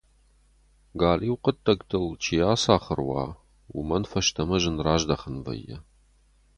Галиу хъуыддӕгтыл чи ацахуыр уа, уымӕн фӕстӕмӕ зын раздӕхӕн вӕййы.